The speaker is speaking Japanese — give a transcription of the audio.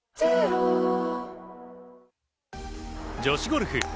女子ゴルフ